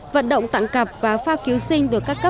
vận động tặng cặp và pha cứu sinh được các trẻ em